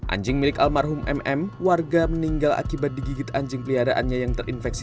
anjing milik almarhum mm warga meninggal akibat digigit anjing peliharaannya yang terinfeksi